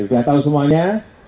sudah tahu semuanya